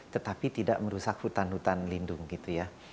tetapi tidak merusak hutan hutan lindung gitu ya